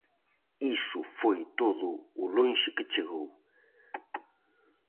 Iso foi todo o lonxe que chegou.